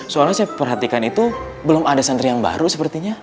soalnya saya perhatikan itu belum ada santri yang baru sepertinya